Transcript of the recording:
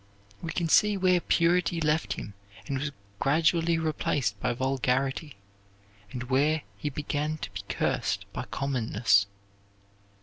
We can see where purity left him and was gradually replaced by vulgarity, and where he began to be cursed by commonness.